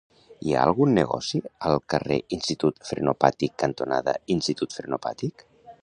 Hi ha algun negoci al carrer Institut Frenopàtic cantonada Institut Frenopàtic?